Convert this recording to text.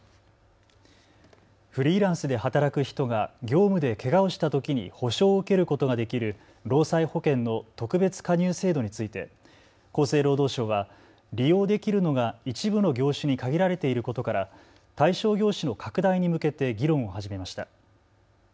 フリーランスで働く人が業務でけがをしたときに補償を受けることができる労災保険の特別加入制度について厚生労働省は利用できるのが一部の業種に限られていることから対象業種の拡大に向けて議論を始めました。